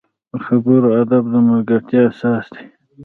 د خبرو ادب د ملګرتیا اساس دی